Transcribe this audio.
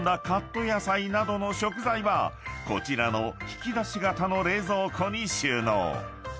カット野菜などの食材はこちらの引き出し型の冷蔵庫に収納］